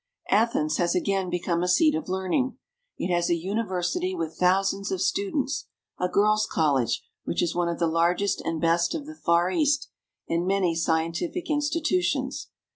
Athens has again become a seat of learning. It has a university with thousands of students, a girl's college which is one of the largest and best of the Far East, and many scientific institutions.